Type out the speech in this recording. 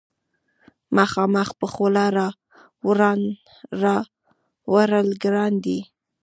مخامخ په خوله راوړل ګران دي.